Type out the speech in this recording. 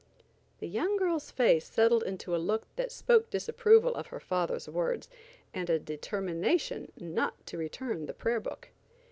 The young girl's face settled into a look that spoke disapproval of her father's words, and a determination not to return the prayer book.